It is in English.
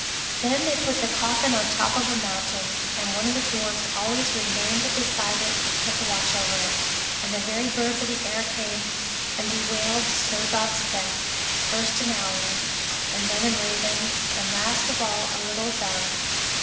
Then they put the coffin on the top of the mountain, and one of the Dwarfs always remained beside it and kept watch over it. And the very birds of the air came and bewailed Snowdrop's death, first an owl, and then a raven, and last of all a little dove.